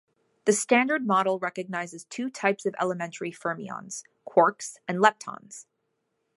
The Standard Model recognizes two types of elementary fermions: quarks and leptons.